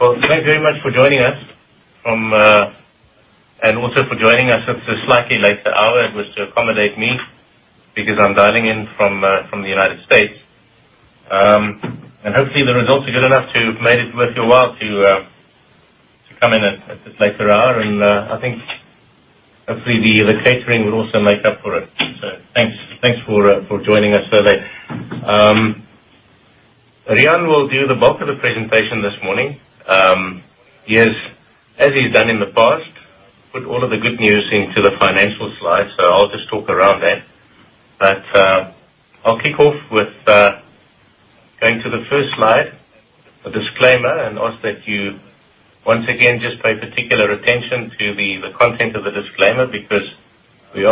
Thanks very much for joining us, also for joining us at this slightly later hour. It was to accommodate me because I'm dialing in from the U.S. Hopefully the results are good enough to have made it worth your while to come in at this later hour. I think hopefully the catering will also make up for it. Thanks for joining us so late. Riaan will do the bulk of the presentation this morning. He has, as he's done in the past, put all of the good news into the financial slides, I'll just talk around that. I'll kick off with going to the first slide, a disclaimer and ask that you once again just pay particular attention to the content of the disclaimer because we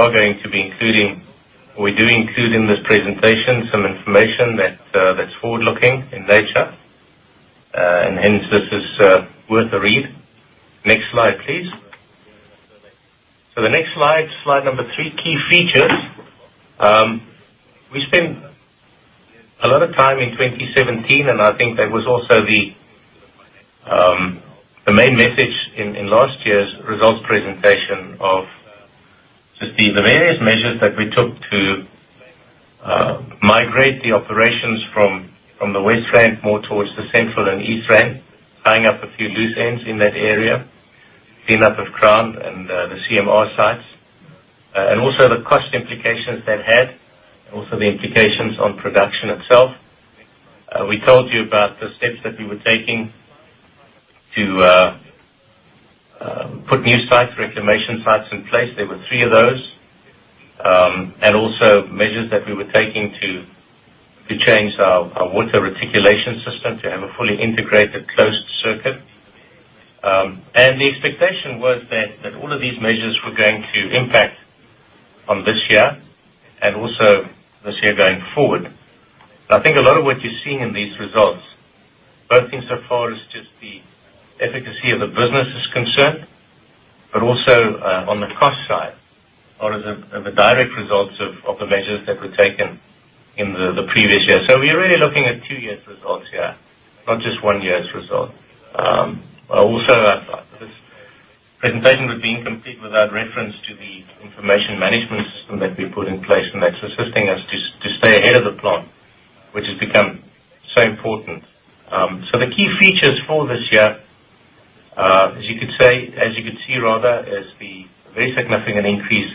do include in this presentation some information that's forward-looking in nature. Hence this is worth a read. Next slide, please. The next slide number three, key features. We spent a lot of time in 2017, I think that was also the main message in last year's results presentation of just the various measures that we took to migrate the operations from the West Rand more towards the Central and East Rand, tying up a few loose ends in that area, clean up of ground and the CMR sites, also the cost implications that had, also the implications on production itself. We told you about the steps that we were taking to put new sites, reclamation sites in place. There were three of those. Also measures that we were taking to change our water reticulation system to have a fully integrated closed circuit. The expectation was that all of these measures were going to impact on this year also this year going forward. I think a lot of what you're seeing in these results, both insofar as just the efficacy of the business is concerned, also on the cost side or the direct results of the measures that were taken in the previous year. We're really looking at two years results here, not just one year's result. Also, this presentation would be incomplete without reference to the information management system that we put in place, that's assisting us to stay ahead of the plant, which has become so important. The key features for this year, as you could see rather, is the very significant increase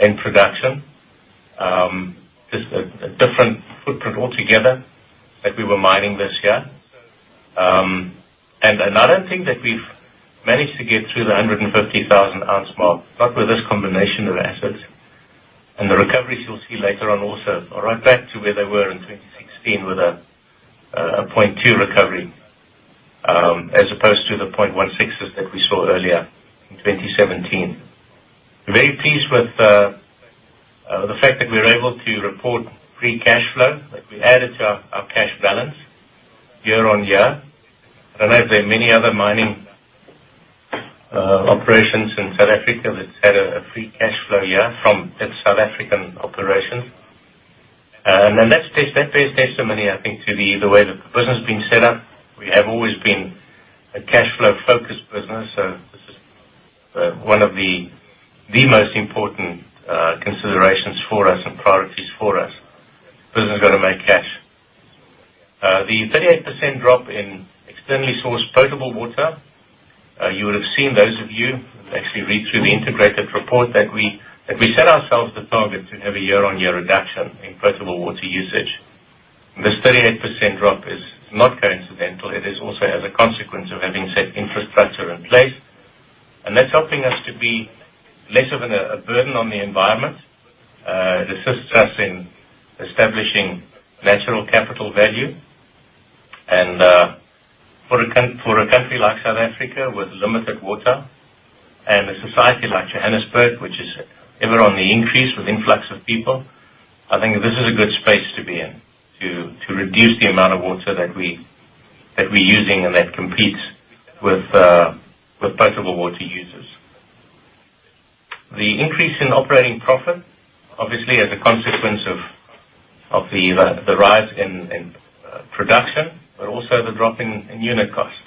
in production. Just a different footprint altogether that we were mining this year. Another thing that we've managed to get through the 150,000 ounce mark, but with this combination of assets and the recoveries you'll see later on also are right back to where they were in 2016 with a 0.2 recovery, as opposed to the 0.16s that we saw earlier in 2017. Very pleased with the fact that we were able to report free cash flow that we added to our cash balance year-on-year. I don't know if there are many other mining operations in South Africa that's had a free cash flow year from that South African operation. That bears testimony, I think, to the way that the business has been set up. We have always been a cash flow focused business. This is one of the most important considerations for us and priorities for us. Business has got to make cash. The 38% drop in externally sourced potable water. You would have seen those of you who've actually read through the integrated report that we set ourselves the target to have a year-on-year reduction in potable water usage. This 38% drop is not coincidental. It is also as a consequence of having said infrastructure in place, that's helping us to be less of a burden on the environment. It assists us in establishing natural capital value. For a country like South Africa with limited water and a society like Johannesburg, which is ever on the increase with influx of people, I think this is a good space to be in to reduce the amount of water that we're using and that competes with potable water users. The increase in operating profit, obviously as a consequence of the rise in production, but also the drop in unit costs.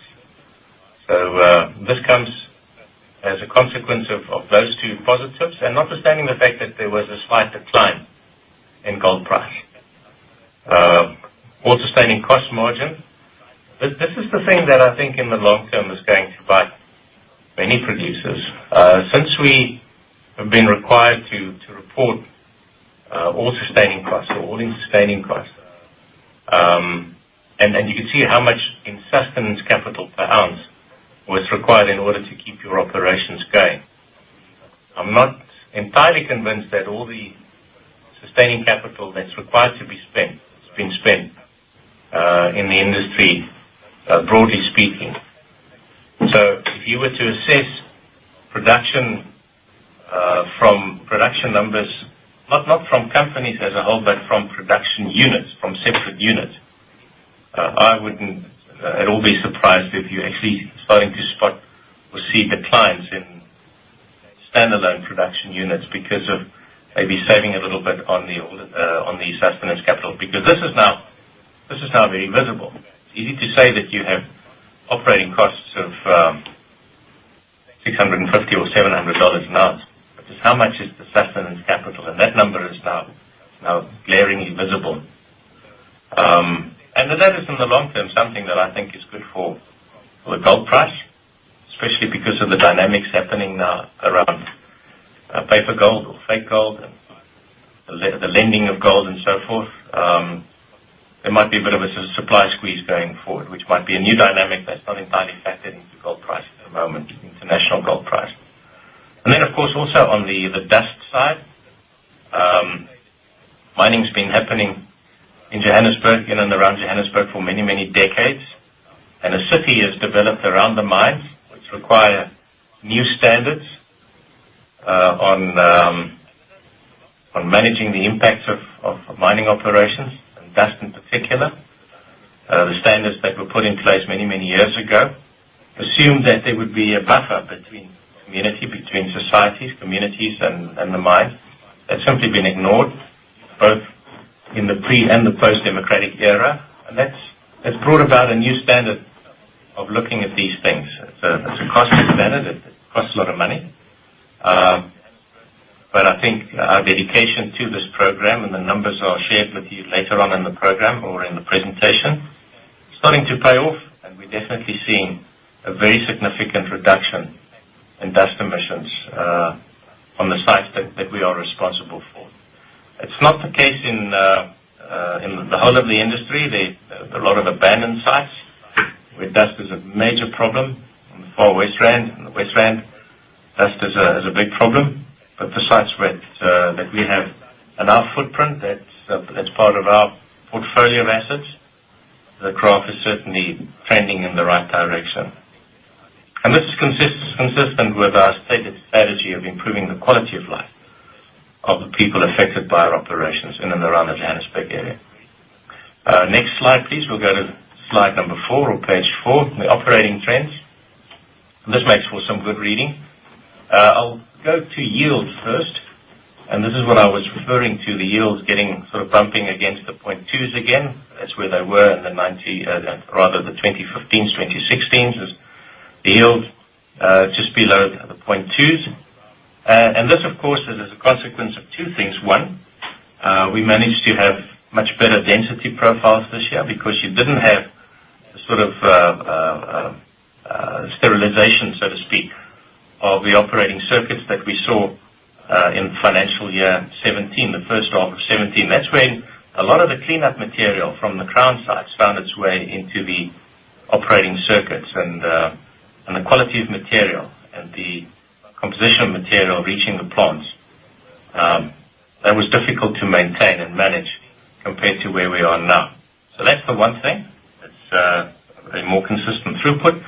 This comes as a consequence of those two positives. Notwithstanding the fact that there was a slight decline in gold price. All sustaining cost margin. This is the thing that I think in the long term is going to bite many producers. Since we have been required to report all-in sustaining costs or all-in-sustaining costs. You can see how much in sustenance capital per ounce was required in order to keep your operations going. I'm not entirely convinced that all the sustaining capital that's required to be spent has been spent in the industry broadly speaking. If you were to assess production from production numbers, not from companies as a whole, but from production units, from separate units, I wouldn't at all be surprised if you're actually starting to spot standalone production units because of maybe saving a little bit on the sustenance capital, because this is now very visible. It's easy to say that you have operating costs of $650 or $700 an ounce, but just how much is the sustenance capital? That number is now glaringly visible. That is in the long term, something that I think is good for the gold price, especially because of the dynamics happening now around paper gold or fake gold and the lending of gold and so forth. There might be a bit of a supply squeeze going forward, which might be a new dynamic that's not entirely factored into gold price at the moment, international gold price. Then, of course, also on the dust side. Mining's been happening in Johannesburg, in and around Johannesburg for many, many decades. A city has developed around the mines, which require new standards on managing the impacts of mining operations and dust in particular. The standards that were put in place many, many years ago assumed that there would be a buffer between community, between societies, communities, and the mines. That's simply been ignored, both in the pre and the post-democratic era. That's brought about a new standard of looking at these things. It's a costly standard. It costs a lot of money. I think our dedication to this program and the numbers are shared with you later on in the program or in the presentation, starting to pay off, and we're definitely seeing a very significant reduction in dust emissions on the sites that we are responsible for. It's not the case in the whole of the industry. There's a lot of abandoned sites where dust is a major problem. On the Far West Rand and the West Rand, dust is a big problem. The sites that we have in our footprint that's part of our portfolio of assets, the graph is certainly trending in the right direction. This is consistent with our stated strategy of improving the quality of life of the people affected by our operations in and around the Johannesburg area. Next slide, please. We'll go to slide 4 or page 4, the operating trends. This makes for some good reading. I'll go to yields first, this is what I was referring to, the yields getting sort of bumping against the 0.2s again. That's where they were in rather the 2015s, 2016s, is the yields just below the 0.2s. This, of course, is as a consequence of two things. One, we managed to have much better density profiles this year because you didn't have the sort of sterilization, so to speak, of the operating circuits that we saw in financial year 2017, the first half of 2017. That's when a lot of the cleanup material from the crown sites found its way into the operating circuits, and the quality of material and the composition of material reaching the plants. That was difficult to maintain and manage compared to where we are now. That's the one thing. That's a more consistent throughput.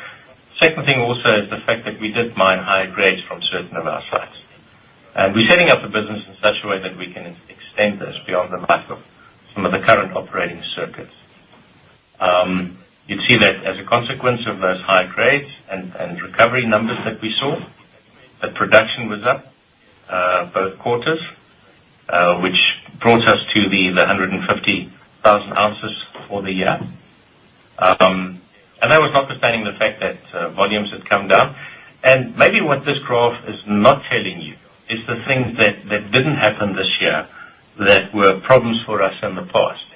Second thing also is the fact that we did mine higher grades from certain of our sites. We're setting up the business in such a way that we can extend this beyond the life of some of the current operating circuits. You see that as a consequence of those high grades and recovery numbers that we saw, that production was up both quarters, which brought us to the 150,000 ounces for the year. That was notwithstanding the fact that volumes had come down. Maybe what this graph is not telling you is the things that didn't happen this year that were problems for us in the past.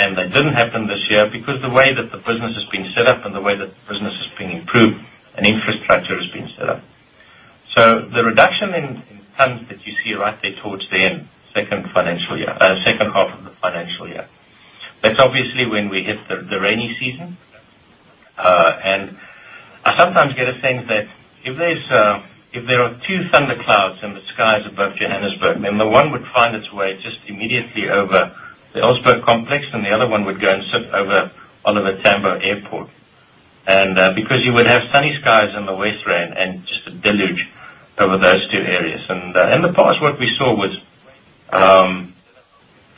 They didn't happen this year because the way that the business has been set up and the way that the business has been improved and infrastructure has been set up. The reduction in tons that you see right there towards the end second half of the financial year. That's obviously when we hit the rainy season. I sometimes get a thing that if there are two thunderclouds in the skies above Johannesburg, then the one would find its way just immediately over the Elsburg complex, and the other one would go and sit over Oliver Tambo Airport. Because you would have sunny skies in the West Rand and just a deluge over those two areas. In the past what we saw was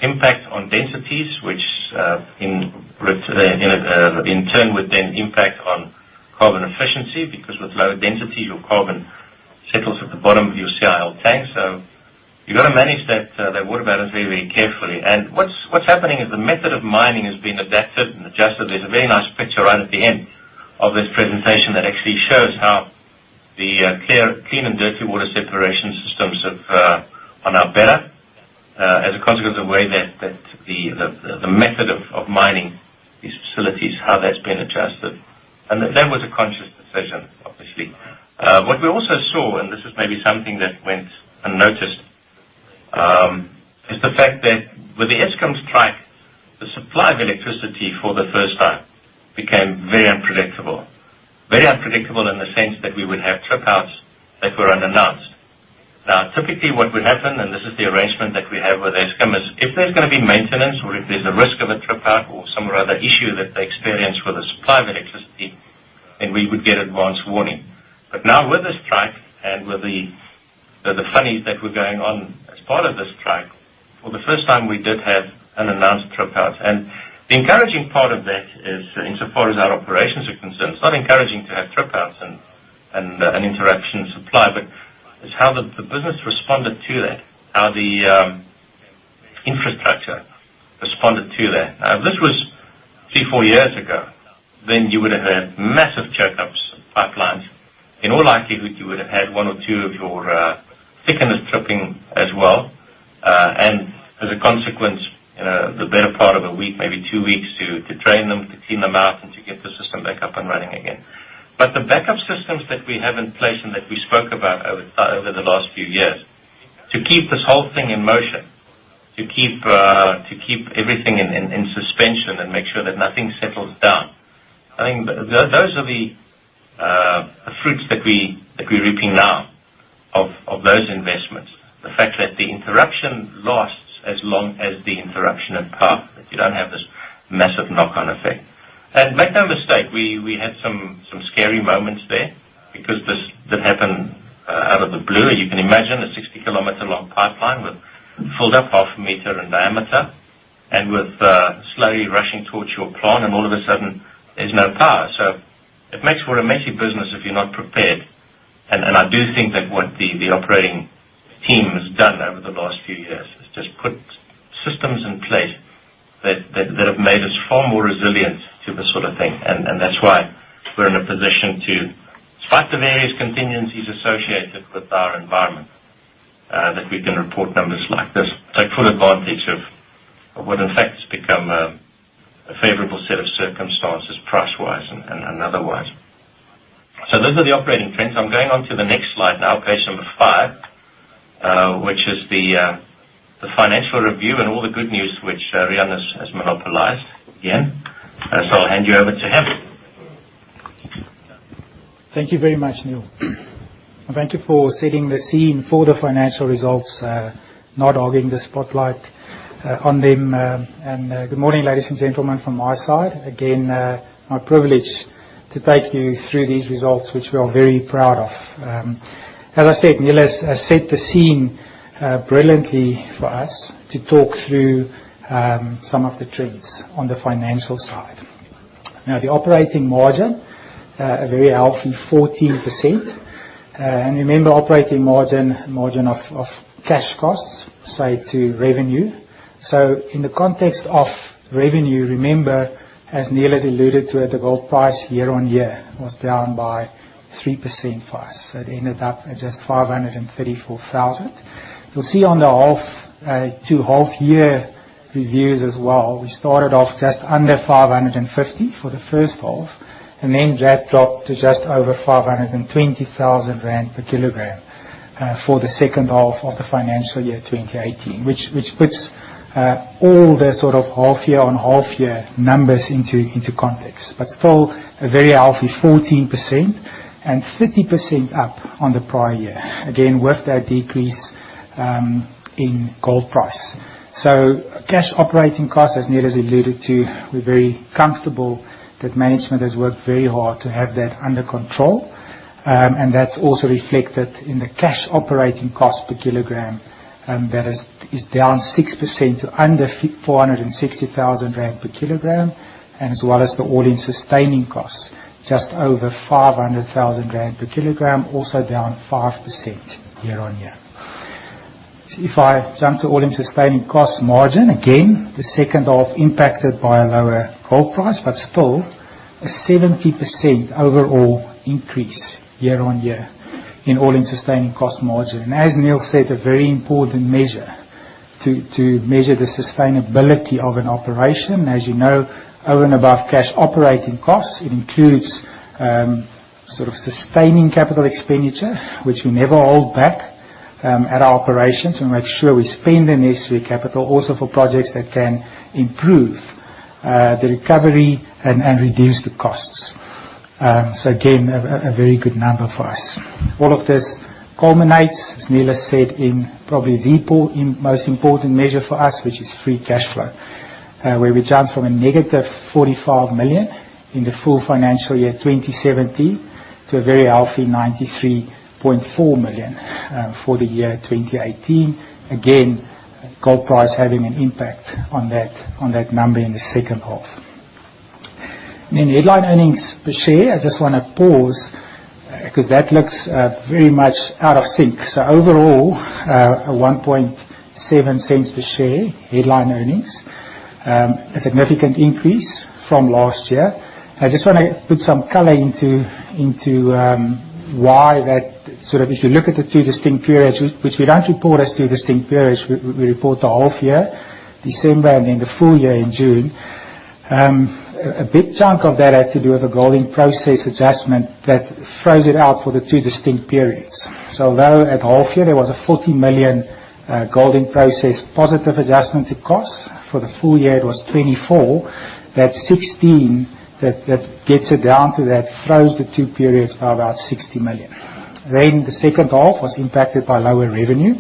impact on densities, which in turn would then impact on carbon efficiency, because with lower density, your carbon settles at the bottom of your CIL tank. You got to manage that water balance very, very carefully. What's happening is the method of mining is being adapted and adjusted. There's a very nice picture right at the end of this presentation that actually shows how the clean and dirty water separation systems are now better as a consequence of the way that the method of mining these facilities, how that's been adjusted. That was a conscious decision, obviously. What we also saw, and this is maybe something that went unnoticed, is the fact that with the Eskom strike, the supply of electricity for the first time became very unpredictable. Very unpredictable in the sense that we would have trip outs that were unannounced. Typically what would happen, and this is the arrangement that we have with Eskom, is if there's going to be maintenance or if there's a risk of a trip out or some other issue that they experience with the supply of electricity, then we would get advanced warning. Now with the strike and with the funnies that were going on as part of this strike, for the first time, we did have an announced trip out. The encouraging part of that is, insofar as our operations are concerned, it's not encouraging to have trip outs and an interruption in supply, but it's how the business responded to that, how the infrastructure responded to that. If this was three, four years ago, then you would have had massive choke ups of pipelines. In all likelihood, you would have had one or two of your thickeners tripping as well. As a consequence, the better part of a week, maybe two weeks to drain them, to clean them out, and to get the system back up and running again. The backup systems that we have in place and that we spoke about over the last few years to keep this whole thing in motion, to keep everything in suspension and make sure that nothing settles down. I think those are the fruits that we're reaping now of those investments. The fact that the interruption lasts as long as the interruption of power, that you don't have this massive knock-on effect. Make no mistake, we had some scary moments there because this happened out of the blue. You can imagine a 60-kilometer-long pipeline filled up half a meter in diameter and slowly rushing towards your plant, and all of a sudden there's no power. It makes for a messy business if you're not prepared. I do think that what the operating team has done over the last few years is just put systems in place that have made us far more resilient to this sort of thing. That's why we're in a position to, despite the various contingencies associated with our environment, that we can report numbers like this, take full advantage of what in fact has become a favorable set of circumstances price-wise and otherwise. Those are the operating trends. I'm going on to the next slide now, page number five, which is the financial review and all the good news which Riaan has monopolized again. I'll hand you over to him. Thank you very much, Niël. Thank you for setting the scene for the financial results, not hogging the spotlight on them. Good morning, ladies and gentlemen, from my side. Again, my privilege to take you through these results, which we are very proud of. As I said, Niël has set the scene brilliantly for us to talk through some of the trends on the financial side. The operating margin, a very healthy 14%. Remember, operating margin of cash costs, say to revenue. In the context of revenue, remember, as Niël has alluded to it, the gold price year-on-year was down by 3% for us. It ended up at just 534,000. You'll see on the two half year reviews as well, we started off just under 550 for the first half, then that dropped to just over 520,000 rand per kilogram for the second half of the financial year 2018, which puts all the sort of half year-on-half year numbers into context. Still a very healthy 14% and 30% up on the prior year, again, with that decrease in gold price. Cash operating cost, as Niël has alluded to, we're very comfortable that management has worked very hard to have that under control. That's also reflected in the cash operating cost per kilogram, that is down 6% to under 460,000 rand per kilogram, as well as the all-in sustaining costs, just over 500,000 rand per kilogram, also down 5% year-on-year. If I jump to all-in sustaining cost margin, again, the second half impacted by a lower gold price, still a 70% overall increase year-on-year in all-in sustaining cost margin. As Niël said, a very important measure to measure the sustainability of an operation. As you know, over and above cash operating costs, it includes sort of sustaining capital expenditure, which we never hold back at our operations and make sure we spend the necessary capital also for projects that can improve the recovery and reduce the costs. Again, a very good number for us. All of this culminates, as Niël has said, in probably the most important measure for us, which is free cash flow, where we jump from a negative 45 million in the full financial year 2017 to a very healthy 93.4 million for the year 2018. Again, gold price having an impact on that number in the second half. Headline earnings per share, I just wanna pause because that looks very much out of sync. Overall, 0.017 per share headline earnings, a significant increase from last year. I just wanna put some color into why that sort of if you look at the two distinct periods, which we don't report as two distinct periods, we report the half year, December and then the full year in June. A big chunk of that has to do with a gold in process adjustment that froze it out for the two distinct periods. Although at half year there was a 40 million gold in process positive adjustment cost, for the full year it was 24, that 16 that gets it down to that throws the two periods by about 60 million. The second half was impacted by lower revenue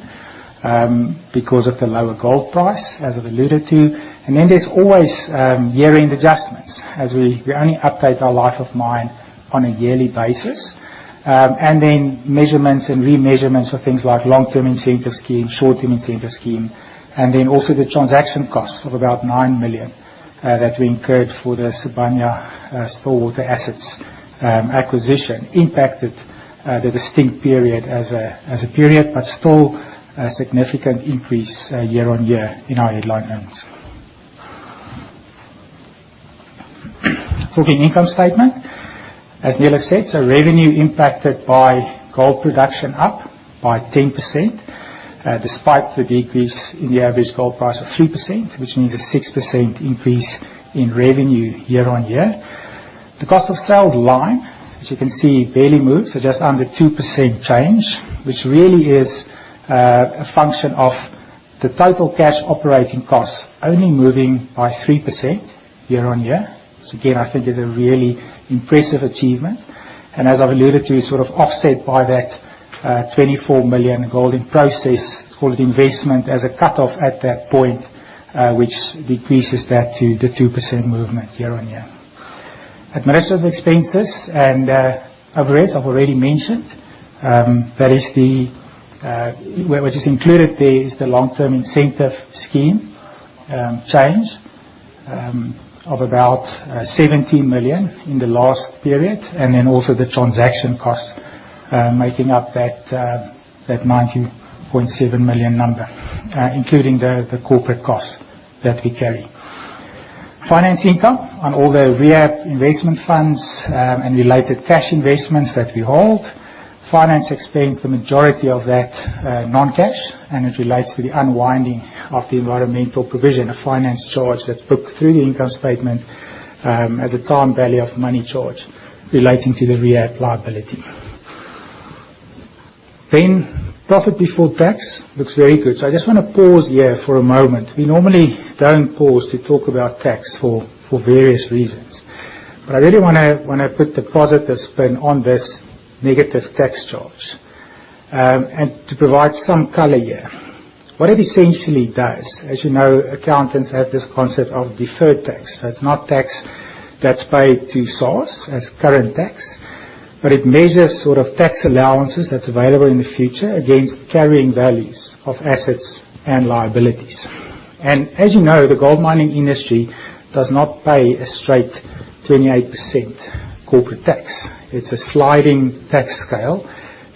because of the lower gold price, as I've alluded to. There's always year-end adjustments as we only update our Life of Mine on a yearly basis. Measurements and remeasurements of things like long-term incentive scheme, short-term incentive scheme, and also the transaction costs of about 9 million that we incurred for the Sibanye-Stillwater assets acquisition impacted the distinct period as a period, but still a significant increase year-on-year in our headline earnings. Looking income statement, as Niël has said, revenue impacted by gold production up by 10%, despite the decrease in the average gold price of 3%, which means a 6% increase in revenue year-on-year. The cost of sales line, as you can see, barely moves, just under 2% change, which really is a function of the total cash operating costs only moving by 3% year-on-year. Again, I think is a really impressive achievement. As I've alluded to, sort of offset by that 24 million gold in process, let's call it investment as a cutoff at that point, which decreases that to the 2% movement year-on-year. Administrative expenses and overheads I've already mentioned, which is included there is the long-term incentive scheme change of about 17 million in the last period, and also the transaction costs, making up that 19.7 million number, including the corporate costs that we carry. Finance income on all the rehab investment funds, and related cash investments that we hold. Finance explains the majority of that non-cash. It relates to the unwinding of the environmental provision of finance charge that's booked through the income statement, as a time value of money charge relating to the rehab liability. Profit before tax looks very good. I just wanna pause here for a moment. We normally don't pause to talk about tax for various reasons. I really wanna put the positive spin on this negative tax charge. To provide some color here. What it essentially does, as you know, accountants have this concept of deferred tax. It's not tax that's paid to SARS as current tax, but it measures sort of tax allowances that's available in the future against carrying values of assets and liabilities. As you know, the gold mining industry does not pay a straight 28% corporate tax. It's a sliding tax scale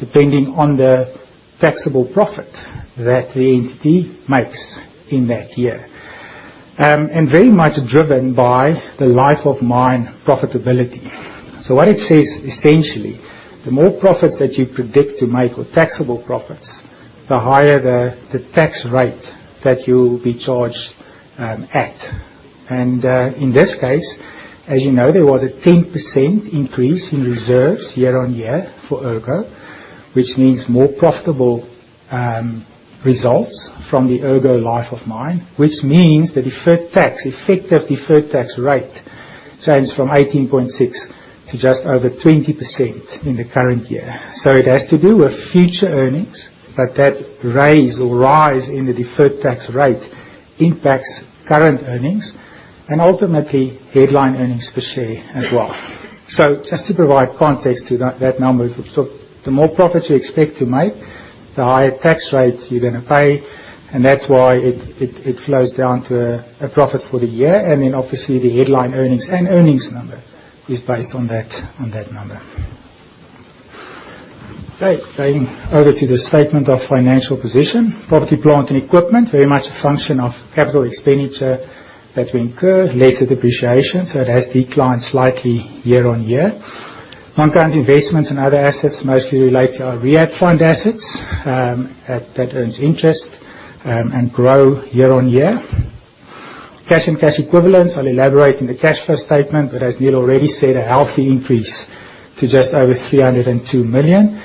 depending on the taxable profit that the entity makes in that year, and very much driven by the Life of Mine profitability. What it says essentially, the more profit that you predict to make or taxable profits, the higher the tax rate that you'll be charged at. In this case, as you know, there was a 10% increase in reserves year-on-year for Ergo, which means more profitable results from the Ergo Life of Mine, which means the deferred tax, effective deferred tax rate changed from 18.6 to just over 20% in the current year. It has to do with future earnings, but that raise or rise in the deferred tax rate impacts current earnings and ultimately headline earnings per share as well. Just to provide context to that number. The more profits you expect to make, the higher tax rate you're gonna pay, and that's why it flows down to a profit for the year. Obviously the headline earnings and earnings number is based on that number. Okay. Going over to the statement of financial position, property, plant, and equipment, very much a function of capital expenditure that we incur, less the depreciation. It has declined slightly year-on-year. Non-current investments and other assets mostly relate to our rehab fund assets that earns interest and grow year-on-year. Cash and cash equivalents, I'll elaborate in the cash flow statement, but as Niël already said, a healthy increase to just over 302 million.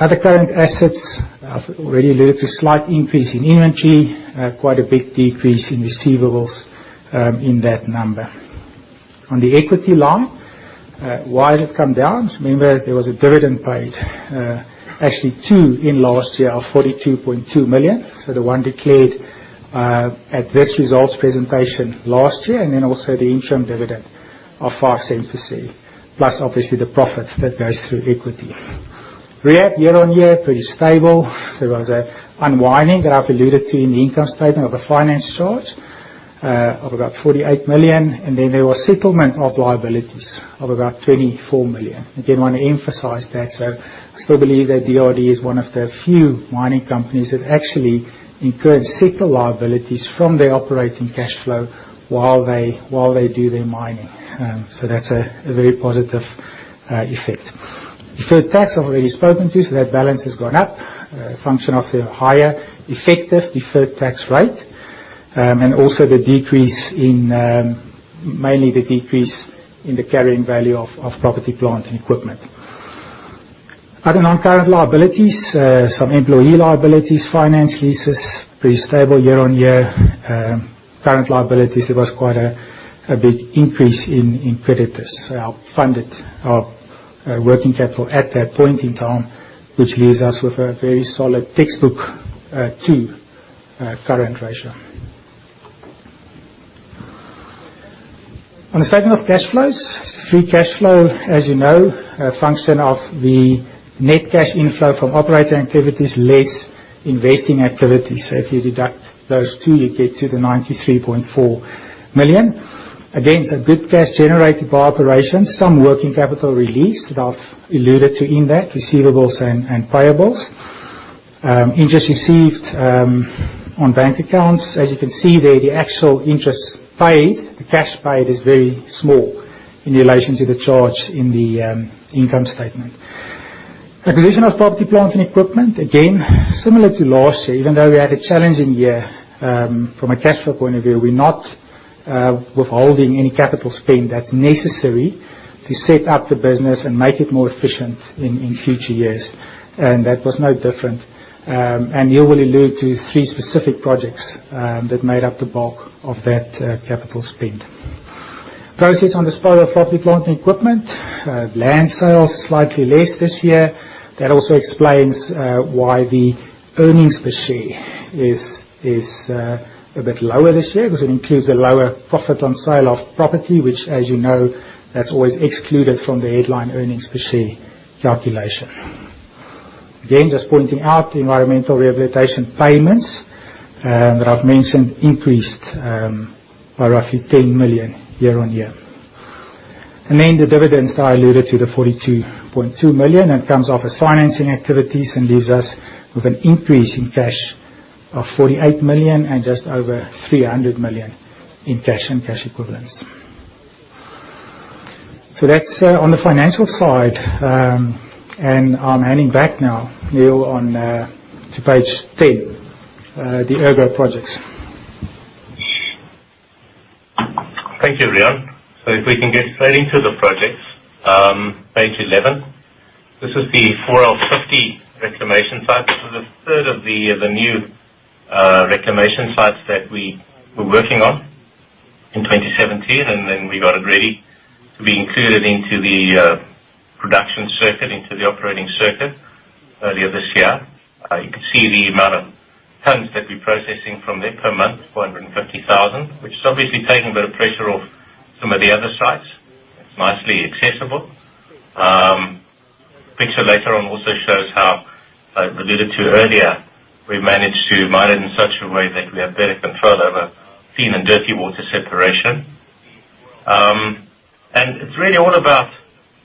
Other current assets, I've already alluded to slight increase in inventory, quite a big decrease in receivables, in that number. On the equity line, why has it come down? Remember there was a dividend paid, actually two in last year of 42.2 million. The one declared at this results presentation last year, also the interim dividend of 0.05 per share. Plus obviously the profit that goes through equity. Rehab year-on-year, pretty stable. There was an unwinding that I've alluded to in the income statement of a finance charge of about 48 million, there was settlement of liabilities of about 24 million. Again, wanna emphasize that. I still believe that DRD is one of the few mining companies that actually incurred settle liabilities from their operating cash flow while they do their mining. That's a very positive effect. Deferred tax I've already spoken to, that balance has gone up, function of the higher effective deferred tax rate, mainly the decrease in the carrying value of property, plant, and equipment. Other non-current liabilities, some employee liabilities, finance leases, pretty stable year-on-year. Current liabilities, there was quite a big increase in creditors. Our funded our working capital at that point in time, which leaves us with a very solid textbook 2 current ratio. On the statement of cash flows, free cash flow, as you know, a function of the net cash inflow from operating activities, less investing activities. If you deduct those two, you get to the 93.4 million. Again, it's a good cash generated by operations, some working capital release that I've alluded to in that, receivables and payables. Interest received on bank accounts. As you can see there, the actual interest paid, the cash paid is very small in relation to the charge in the income statement. Acquisition of property, plant, and equipment, again, similar to last year, even though we had a challenging year from a cash flow point of view, we're not withholding any capital spend that's necessary to set up the business and make it more efficient in future years. That was no different. Niël will allude to three specific projects that made up the bulk of that capital spend. Profits on disposal of property, plant, and equipment. Land sales slightly less this year. That also explains why the earnings per share is a bit lower this year because it includes a lower profit on sale of property, which as you know, that's always excluded from the headline earnings per share calculation. Just pointing out environmental rehabilitation payments that I've mentioned increased by roughly 10 million year-on-year. The dividends that I alluded to, the 42.2 million, that comes off as financing activities and leaves us with an increase in cash of 48 million and just over 300 million in cash and cash equivalents. That's on the financial side. I'm handing back now, Niël, on to page 10, the Ergo projects. Thank you, Riaan. If we can get straight into the projects, page 11. This is the 4L50 reclamation site. This is a third of the new reclamation sites that we were working on in 2017, and then we got it ready to be included into the production circuit, into the operating circuit earlier this year. You can see the amount of tons that we're processing from there per month, 450,000, which is obviously taking a bit of pressure off some of the other sites. It's nicely accessible. Picture later on also shows how I alluded to earlier, we've managed to mine it in such a way that we have better control over clean and dirty water separation. It's really all about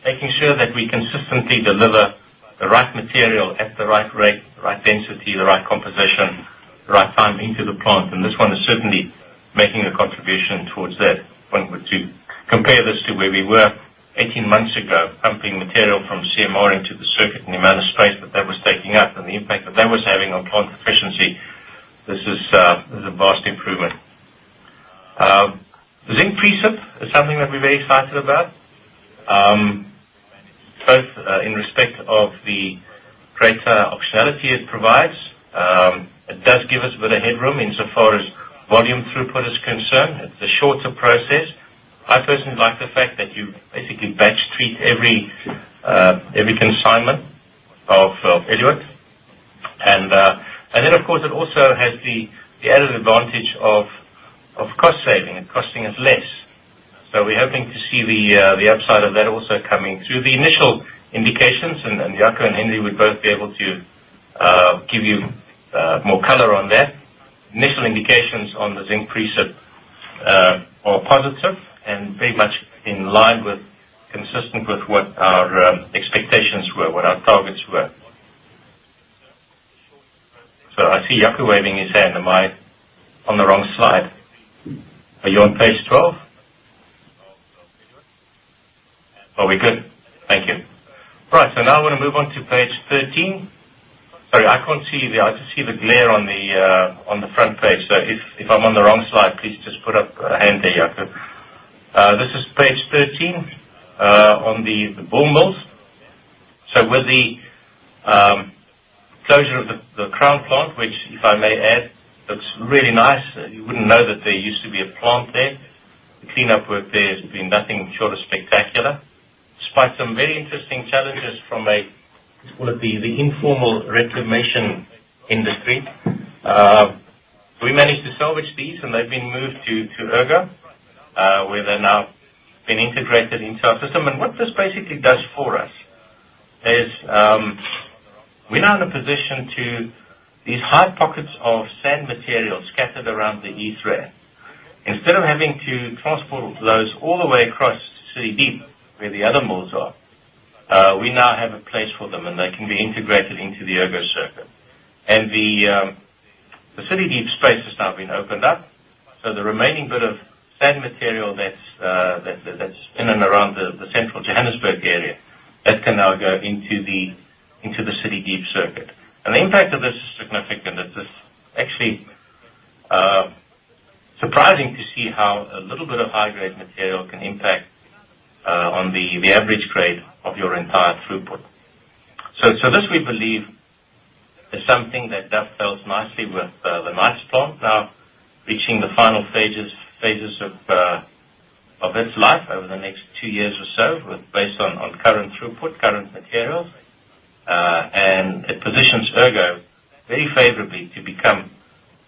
making sure that we consistently deliver the right material at the right rate, the right density, the right composition, the right time into the plant. This one is certainly making a contribution towards that point. To compare this to where we were 18 months ago, pumping material from CMR into the circuit and the amount of space that that was taking up and the impact that that was having on plant efficiency, this is a vast improvement. zinc precip is something that we're very excited about, both in respect of the greater optionality it provides. It does give us a bit of headroom insofar as volume throughput is concerned. It's a shorter process. I personally like the fact that you basically batch treat every consignment of eluates. Of course, it also has the added advantage of cost saving. It's costing us less. We're hoping to see the upside of that also coming through. The initial indications, and Jaco and Henry would both be able to give you more color on that. Initial indications on the zinc precip are positive and very much in line with, consistent with what our expectations were, what our targets were. I see Jaco waving his hand. Am I on the wrong slide? Are you on page 12? Are we good? Thank you. Right. I want to move on to page 13. Sorry, I can't see. I just see the glare on the front page. If I'm on the wrong slide, please just put up a hand there, Jaco. This is page 13, on the ball mills. With the closure of the Crown plant, which if I may add, looks really nice. You wouldn't know that there used to be a plant there. The cleanup work there has been nothing short of spectacular. Despite some very interesting challenges from a, call it the informal reclamation industry, we managed to salvage these, and they've been moved to Ergo, where they're now being integrated into our system. What this basically does for us is we're now in a position to these high pockets of sand material scattered around the East Rand. Instead of having to transport those all the way across to City Deep, where the other mills are, we now have a place for them, and they can be integrated into the Ergo circuit. The City Deep space has now been opened up. The remaining bit of sand material that's in and around the central Johannesburg area, that can now go into the City Deep circuit. The impact of this is significant. It's actually surprising to see how a little bit of high-grade material can impact on the average grade of your entire throughput. This we believe is something that jells nicely with the Knights plant now reaching the final phases of its life over the next two years or so based on current throughput, current materials Ergo, very favorably to become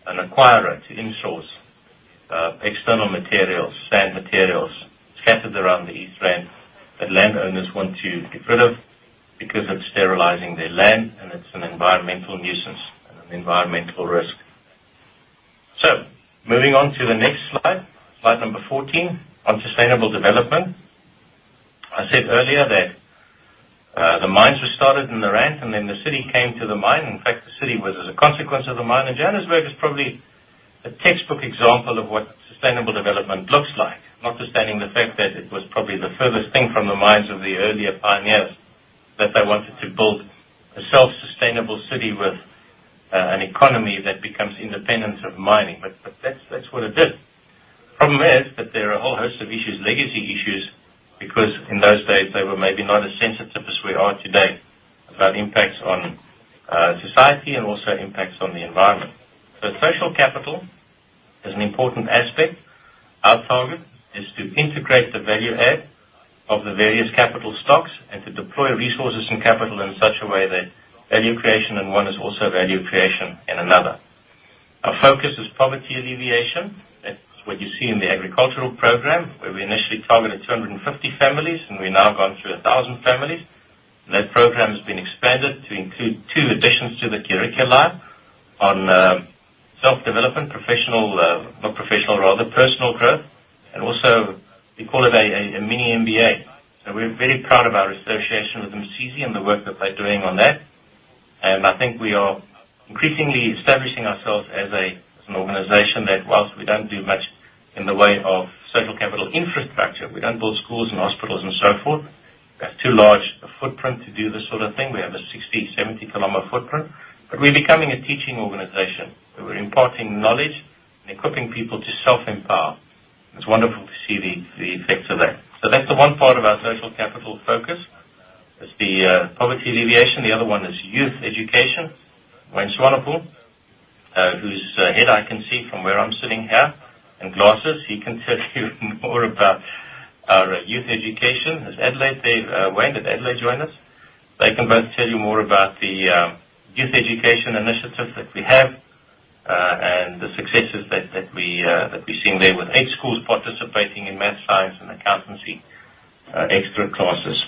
an acquirer to insource external materials, sand materials scattered around the East Rand that landowners want to get rid of because it's sterilizing their land, and it's an environmental nuisance and an environmental risk. Moving on to the next slide number 14 on sustainable development. I said earlier that the mines were started in the Rand, and then the city came to the mine. In fact, the city was as a consequence of the mine, Johannesburg is probably a textbook example of what sustainable development looks like. Notwithstanding the fact that it was probably the furthest thing from the minds of the earlier pioneers, that they wanted to build a self-sustainable city with an economy that becomes independent of mining. That's what it did. Problem is that there are a whole host of issues, legacy issues, because in those days, they were maybe not as sensitive as we are today about impacts on society and also impacts on the environment. Social capital is an important aspect. Our target is to integrate the value add of the various capital stocks and to deploy resources and capital in such a way that value creation in one is also value creation in another. Our focus is poverty alleviation. That's what you see in the agricultural program, where we initially targeted 250 families, we've now gone through 1,000 families. That program has been expanded to include two additions to the curricula on self-development, rather personal growth, and also we call it a mini MBA. We're very proud of our association with Umsizi and the work that they're doing on that. I think we are increasingly establishing ourselves as an organization that whilst we don't do much in the way of social capital infrastructure, we don't build schools and hospitals and so forth. That's too large a footprint to do this sort of thing. We have a 60, 70-kilometer footprint. We're becoming a teaching organization. We're imparting knowledge and equipping people to self-empower. It's wonderful to see the effects of that. That's the one part of our social capital focus, is the poverty alleviation. The other one is youth education. Wayne Swanepoel, whose head I can see from where I'm sitting here, and glasses, he can tell you more about our youth education. Is Adelaide there? Wayne, did Adelaide join us? They can both tell you more about the youth education initiatives that we have, and the successes that we're seeing there with eight schools participating in math, science, and accountancy extra classes.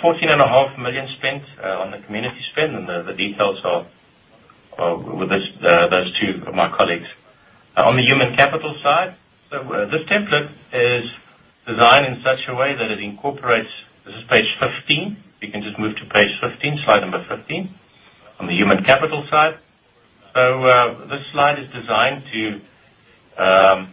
14 and a half million spent on the community spend, and the details are with those two of my colleagues. On the human capital side, this template is designed in such a way that it incorporates This is page 15. You can just move to page 15, slide number 15 on the human capital side. This slide is designed to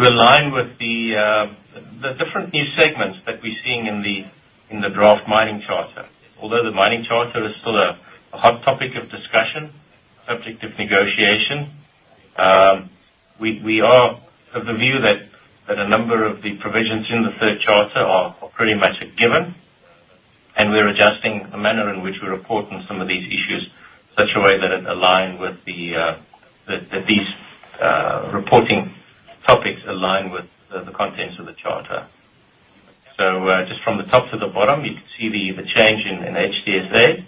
align with the different new segments that we're seeing in the draft Mining Charter. Although the Mining Charter is still a hot topic of discussion, subject of negotiation, we are of the view that a number of the provisions in the third charter are pretty much a given, and we're adjusting the manner in which we're reporting some of these issues such a way that these reporting topics align with the contents of the charter. Just from the top to the bottom, you can see the change in HDSA.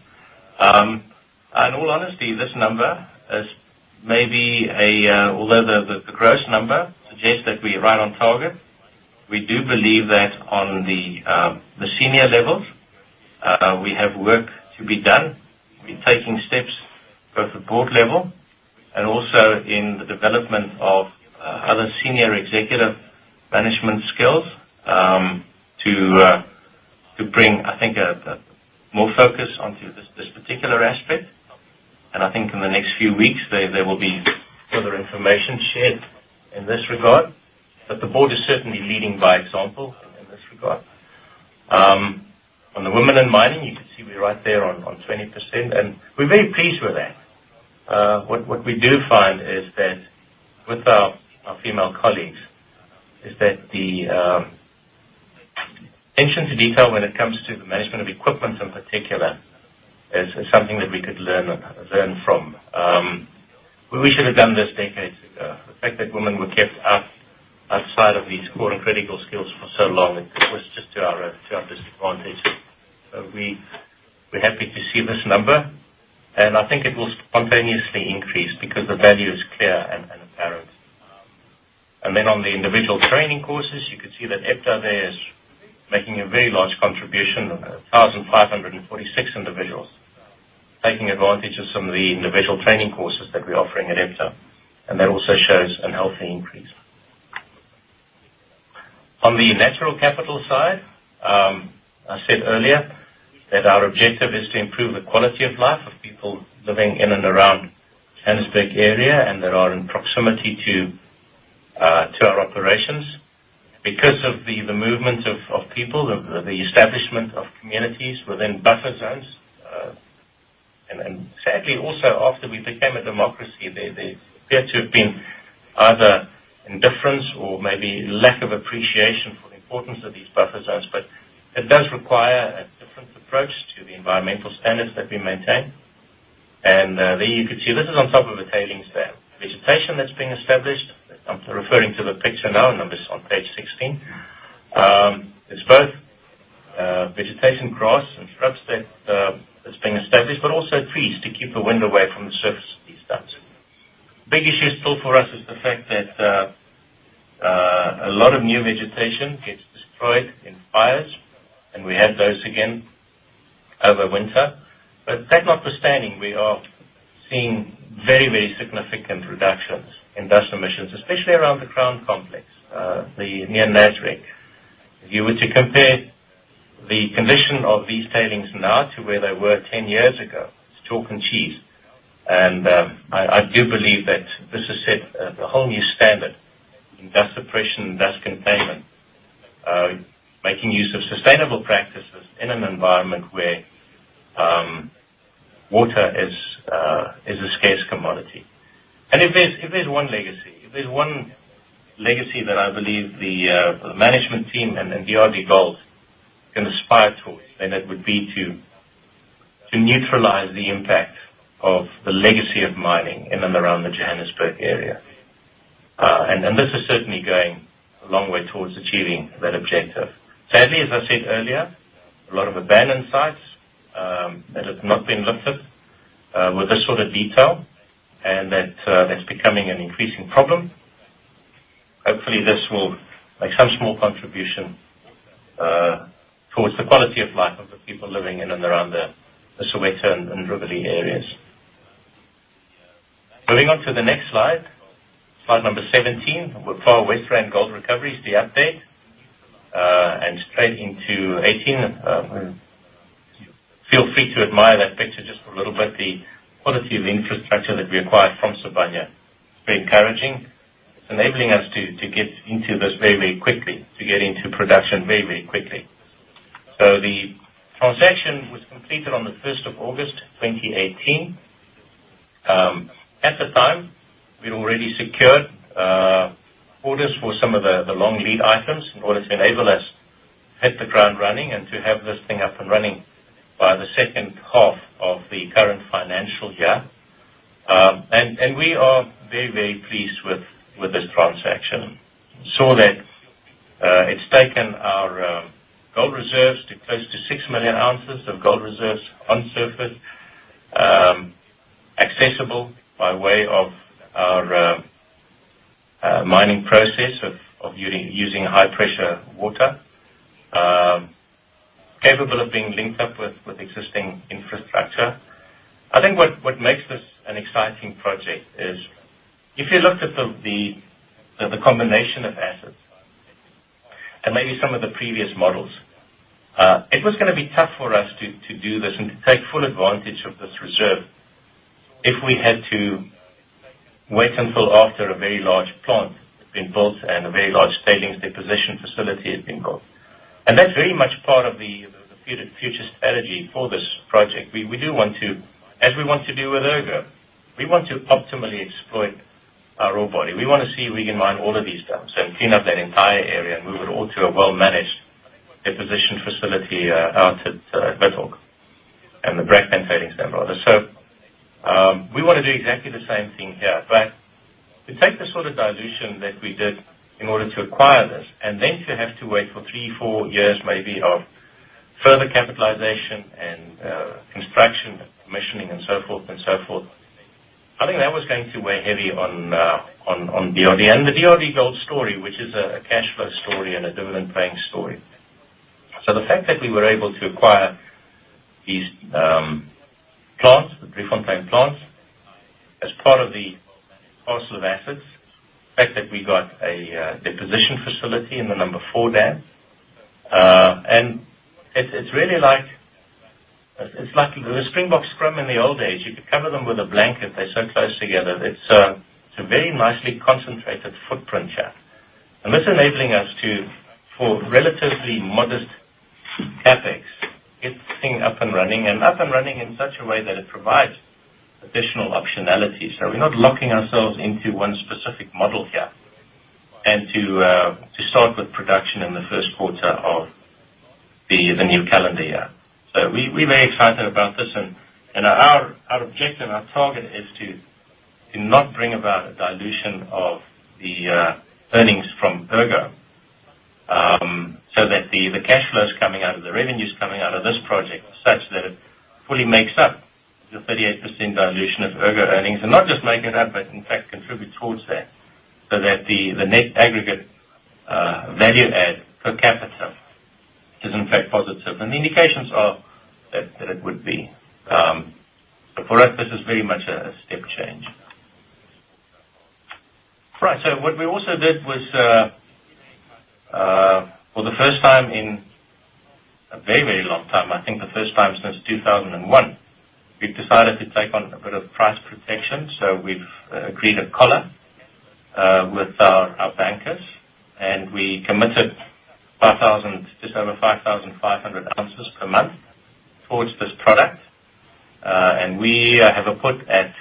Although the gross number suggests that we're right on target, we do believe that on the senior levels, we have work to be done. We're taking steps both at board level and also in the development of other senior executive management skills, to bring I think, more focus onto this particular aspect. I think in the next few weeks, there will be further information shared in this regard. The board is certainly leading by example in this regard. On the women in mining, you can see we're right there on 20%, and we're very pleased with that. What we do find is that with our female colleagues, is that the attention to detail when it comes to the management of equipment in particular is something that we could learn from. We should have done this decades ago. The fact that women were kept outside of these core and critical skills for so long, it was just to our disadvantage. We're happy to see this number, I think it will spontaneously increase because the value is clear and apparent. On the individual training courses, you can see that ABET there is making a very large contribution of 1,546 individuals taking advantage of some of the individual training courses that we're offering at ABET, and that also shows a healthy increase. On the natural capital side, I said earlier that our objective is to improve the quality of life of people living in and around Johannesburg area and that are in proximity to our operations. Because of the movement of people, the establishment of communities within buffer zones, sadly also after we became a democracy, there appeared to have been either indifference or maybe lack of appreciation for the importance of these buffer zones. It does require a different approach to the environmental standards that we maintain. There you can see this is on top of a tailings dam. Vegetation that's been established. I'm referring to the picture now, and this is on page 16. Both vegetation, grass, and shrubs that has been established, but also trees to keep the wind away from the surface of these dumps. Big issue still for us is the fact that a lot of new vegetation gets destroyed in fires, and we had those again over winter. That notwithstanding, we are seeing very significant reductions in dust emissions, especially around the Crown Complex near Nasrec. If you were to compare the condition of these tailings now to where they were 10 years ago, it's chalk and cheese. I do believe that this has set a whole new standard in dust suppression and dust containment, making use of sustainable practices in an environment where water is a scarce commodity. If there's one legacy that I believe the management team and DRDGOLD can aspire towards, then it would be to neutralize the impact of the legacy of mining in and around the Johannesburg area. This is certainly going a long way towards achieving that objective. Sadly, as I said earlier, a lot of abandoned sites that have not been lifted with this sort of detail and that's becoming an increasing problem. Hopefully, this will make some small contribution towards the quality of life of the people living in and around the Soweto and Riverlea areas. Moving on to the next slide number 17. Far West Gold Recoveries, the update, straight into 18. Feel free to admire that picture just for a little bit. The quality of infrastructure that we acquired from Sibanye is very encouraging. It's enabling us to get into this very quickly, to get into production very quickly. The transaction was completed on the 1st of August 2018. At the time, we'd already secured orders for some of the long lead items in order to enable us hit the ground running and to have this thing up and running by the second half of the current financial year. We are very pleased with this transaction. Saw that it's taken our gold reserves to close to six million ounces of gold reserves on surface, accessible by way of our mining process of using high pressure water, capable of being linked up with existing infrastructure. I think what makes this an exciting project is if you looked at the combination of assets and maybe some of the previous models, it was going to be tough for us to do this and to take full advantage of this reserve if we had to wait until after a very large plant had been built and a very large tailings deposition facility had been built. That's very much part of the future strategy for this project. We do want to, as we want to do with Ergo, we want to optimally exploit our ore body. We want to see if we can mine all of these dumps and clean up that entire area and move it all to a well-managed deposition facility out at Vissers fontien and the Brakpan tailings dam. We want to do exactly the same thing here. To take the sort of dilution that we did in order to acquire this, then to have to wait for three, four years maybe of further capitalization and construction, commissioning, and so forth. I think that was going to weigh heavy on DRD and the DRDGOLD story, which is a cash flow story and a dividend paying story. The fact that we were able to acquire these plants, the Driefontein plants, as part of the parcel of assets, the fact that we got a deposition facility in the number 4 dam. It's really like the Springbok scrum in the old days. You could cover them with a blanket. They're so close together. It's a very nicely concentrated footprint here. This enabling us to, for relatively modest CapEx, get this thing up and running, and up and running in such a way that it provides additional optionality. We're not locking ourselves into one specific model here. To start with production in the first quarter of the new calendar year. We're very excited about this and our objective, our target is to not bring about a dilution of the earnings from Ergo, so that the cash flows coming out of the revenues coming out of this project such that it fully makes up the 38% dilution of Ergo earnings, and not just make it up, but in fact contribute towards that, so that the net aggregate value add per capita is in fact positive. The indications are that it would be. For us, this is very much a step change. Right. What we also did was for the first time in a very long time, I think the first time since 2001, we've decided to take on a bit of price protection. We've agreed a collar with our bankers, and we committed just over 5,500 ounces per month towards this product. We have a put at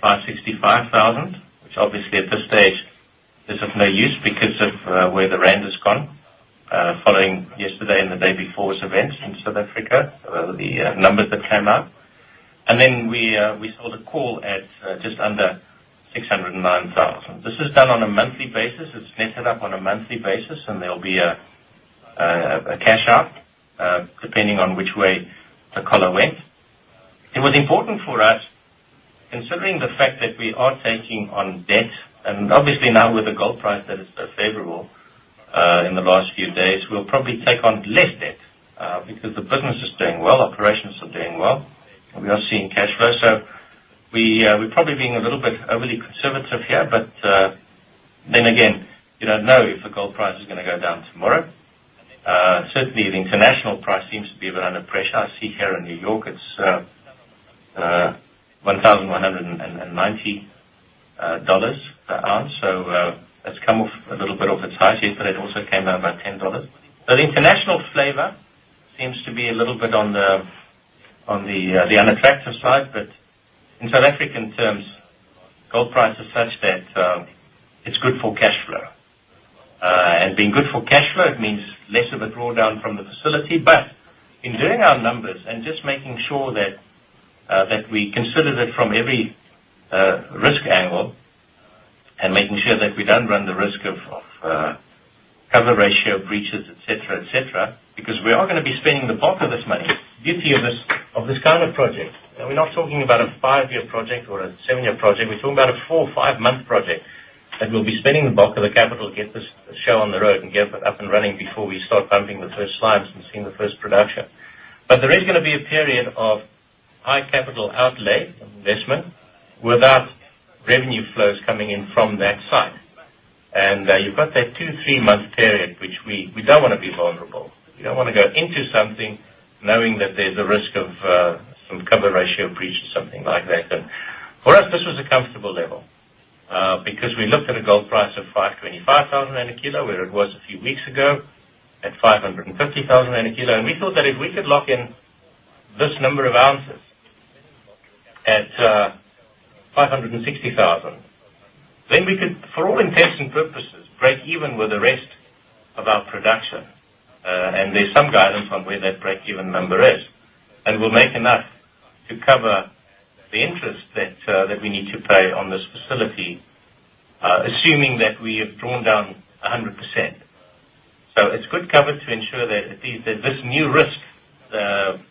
565,000, which obviously at this stage is of no use because of where the rand has gone following yesterday and the day before's events in South Africa. The numbers that came out Then we sold a call at just under 609,000. This is done on a monthly basis. It's netted up on a monthly basis, and there'll be a cash out, depending on which way the collar went. It was important for us, considering the fact that we are taking on debt, obviously now with the gold price that is favorable in the last few days, we'll probably take on less debt because the business is doing well, operations are doing well, and we are seeing cash flow. We're probably being a little bit overly conservative here. Again, you don't know if the gold price is going to go down tomorrow. Certainly, the international price seems to be a bit under pressure. I see here in New York, it's $1,190 an ounce, so that's come off a little bit of its highs here, but it also came down by $10. The international flavor seems to be a little bit on the unattractive side, but in South African terms, gold price is such that it's good for cash flow. Being good for cash flow, it means less of a drawdown from the facility. In doing our numbers and just making sure that we consider that from every risk angle and making sure that we don't run the risk of coverage ratio breaches, et cetera. We are going to be spending the bulk of this money, the beauty of this kind of project. We're not talking about a five-year project or a seven-year project. We're talking about a four or five-month project, and we'll be spending the bulk of the capital to get this show on the road and get up and running before we start pumping the first slides and seeing the first production. There is going to be a period of high capital outlay, investment, without revenue flows coming in from that site. You've got that two, three-month period, which we don't want to be vulnerable. We don't want to go into something knowing that there's a risk of some coverage ratio breach or something like that. For us, this was a comfortable level because we looked at a gold price of 525,000 rand in a kilo, where it was a few weeks ago at 550,000 rand in a kilo. We thought that if we could lock in this number of ounces at 560,000, then we could, for all intents and purposes, break even with the rest of our production. There's some guidance on where that break-even number is. We'll make enough to cover the interest that we need to pay on this facility, assuming that we have drawn down 100%. It's good cover to ensure that this new risk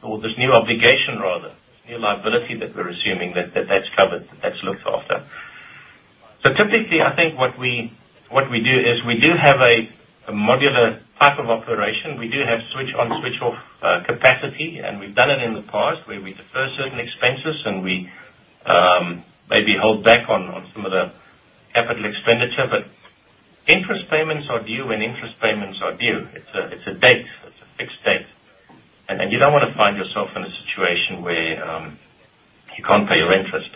or this new obligation rather, new liability that we're assuming that that's covered, that's looked after. Typically, I think what we do is we do have a modular type of operation. We do have switch-on, switch-off capacity, and we've done it in the past where we defer certain expenses and we maybe hold back on some of the CapEx. Interest payments are due when interest payments are due. It's a date. It's a fixed date. You don't want to find yourself in a situation where you can't pay your interest,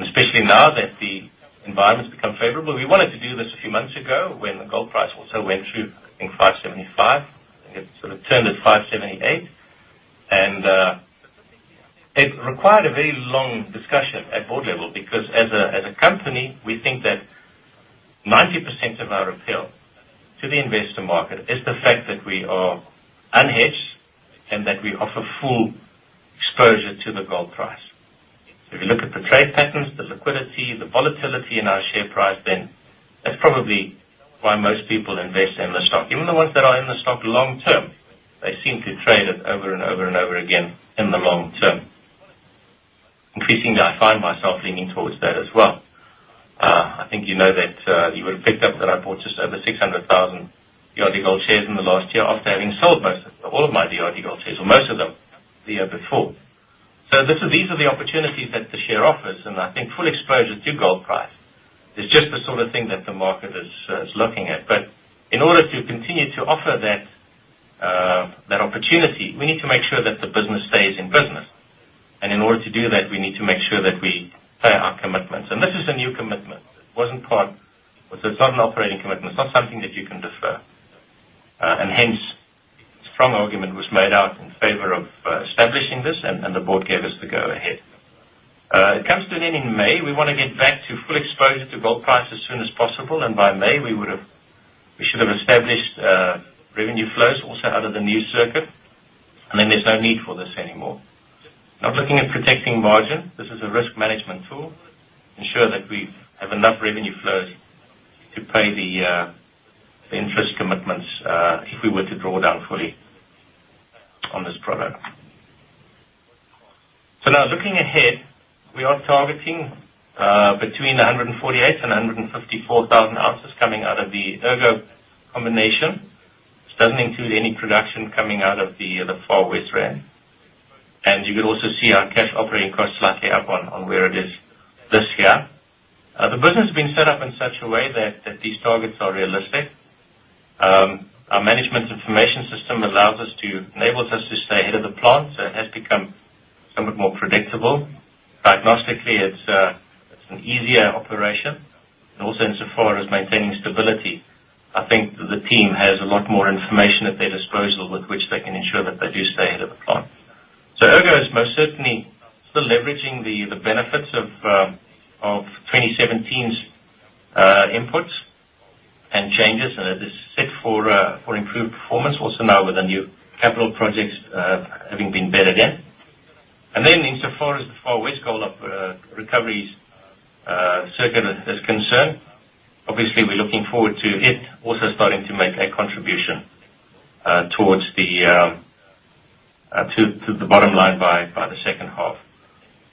especially now that the environment's become favorable. We wanted to do this a few months ago when the gold price also went through, I think, 575. I think it sort of turned at 578. It required a very long discussion at board level because as a company, we think that 90% of our appeal to the investor market is the fact that we are unhedged and that we offer full exposure to the gold price. If you look at the trade patterns, the liquidity, the volatility in our share price, then that's probably why most people invest in the stock. Even the ones that are in the stock long-term, they seem to trade it over and over and over again in the long term. Increasingly, I find myself leaning towards that as well. I think you know that you would have picked up that I bought just over 600,000 DRDGOLD shares in the last year after having sold most of all of my DRDGOLD shares or most of them the year before. These are the opportunities that the share offers, full exposure to gold price is just the sort of thing that the market is looking at. In order to continue to offer that opportunity, we need to make sure that the business stays in business. In order to do that, we need to make sure that we pay our commitments. This is a new commitment. It's not an operating commitment. It's not something that you can defer. Hence, a strong argument was made out in favor of establishing this, and the board gave us the go-ahead. It comes to an end in May. We want to get back to full exposure to gold price as soon as possible, by May, we should have established revenue flows also out of the new circuit, then there's no need for this anymore. Looking at protecting margin, this is a risk management tool to ensure that we have enough revenue flows to pay the interest commitments if we were to draw down fully on this product. Looking ahead, we are targeting between 148,000 and 154,000 ounces coming out of the Ergo combination, which doesn't include any production coming out of the Far West Rand. You can also see our cash operating costs slightly up on where it is this year. The business has been set up in such a way that these targets are realistic. Our management information system enables us to stay ahead of the plant, it has become somewhat more predictable. Diagnostically, it's an easier operation, also insofar as maintaining stability. I think the team has a lot more information at their disposal with which they can ensure that they do stay ahead of the plant. Ergo is most certainly still leveraging the benefits of 2017's inputs and changes, it is set for improved performance also now with the new capital projects having been bedded in. Insofar as the Far West Gold Recoveries circuit is concerned, obviously we're looking forward to it also starting to make a contribution towards the bottom line by the second half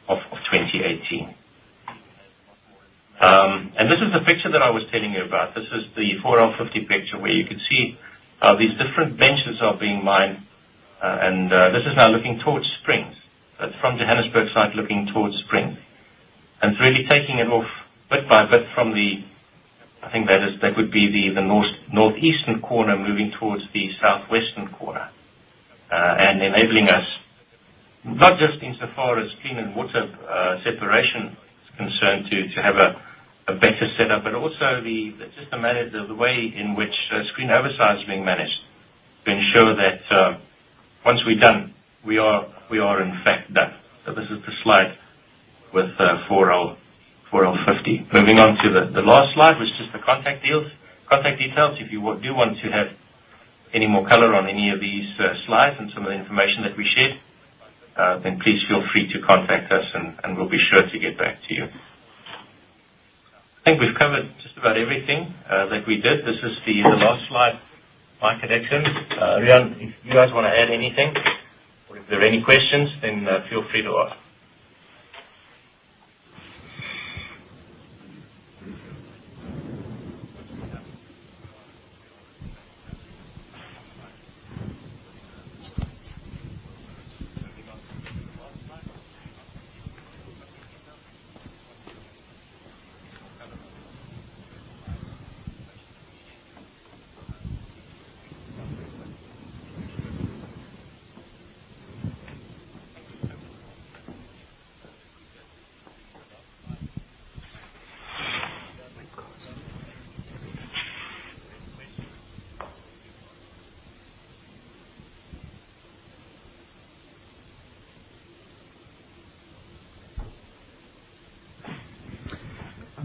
of 2018. This is the picture that I was telling you about. This is the 4L50 picture where you could see these different benches are being mined. This is now looking towards Springs. That's from Johannesburg site looking towards Springs. It's really taking it off bit by bit from the I think that would be the northeastern corner moving towards the southwestern corner. Enabling us, not just insofar as clean and water separation is concerned, to have a better setup, but also just the way in which screen oversize is being managed to ensure that once we're done, we are in fact done. This is the slide with 4L50. Moving on to the last slide, which is the contact details. If you do want to have any more color on any of these slides and some of the information that we shared, then please feel free to contact us and we'll be sure to get back to you. I think we've covered just about everything that we did. This is the last slide, my connections. If you guys wanna add anything or if there are any questions, feel free to ask.